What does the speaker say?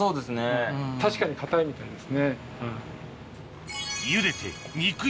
確かに硬いみたいです。